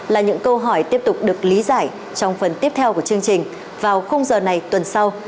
là những câu hỏi tiếp tục được lý giải trong phần tiếp theo của chương trình vào khung giờ này tuần sau